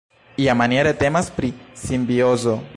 Iamaniere temas pri simbiozo.